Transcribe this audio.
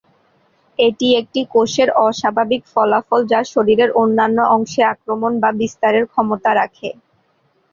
এটি একটি কোষের অস্বাভাবিক ফলাফল যা শরীরের অন্যান্য অংশে আক্রমণ বা বিস্তারের ক্ষমতা রাখে।